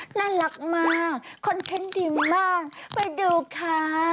น่ารักมากคอนเทนต์ดีมากไปดูค่ะ